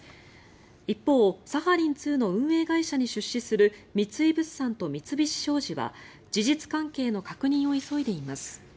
一方、サハリン２の運営会社に出資する三井物産と三菱商事は事実関係の確認を急いでいます。